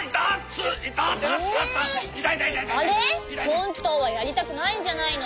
ほんとうはやりたくないんじゃないの？